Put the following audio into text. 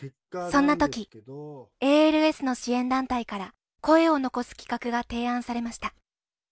そんな時ＡＬＳの支援団体から声を残す企画が提案されました。